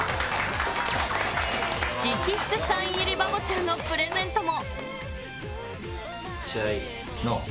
直筆サイン入りバボちゃんのプレゼントも。